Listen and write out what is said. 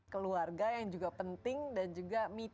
keluarga yang juga penting dan juga keluarga yang penting